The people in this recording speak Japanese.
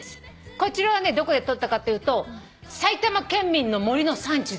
こちらはねどこで撮ったかっていうと埼玉県民の森の山地で撮った。